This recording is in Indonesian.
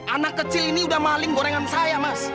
anak kecil ini udah maling gorengan saya mas